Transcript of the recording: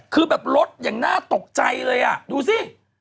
คือแบบลดอย่างน่าตกใจเลยอ่ะดูสิ